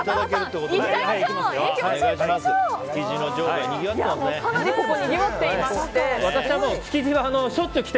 ここ、かなりにぎわっていまして。